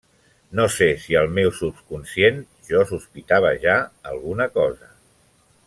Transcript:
No sé si al meu subconscient jo sospitava ja alguna cosa.